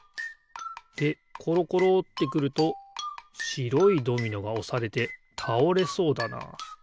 でころころってくるとしろいドミノがおされてたおれそうだなあ。